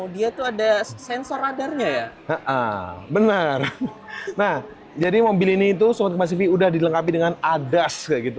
dia tuh ada sensor radarnya ya benar nah jadi mobil ini itu suatu masif udah dilengkapi dengan adas kayak gitu